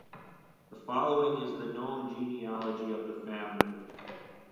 The following is the known genealogy of the family.